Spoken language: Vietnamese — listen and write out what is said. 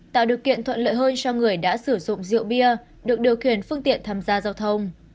tạo điều kiện thuận lợi hơn cho người đã sử dụng rượu bia được điều khiển phương tiện tham gia giao thông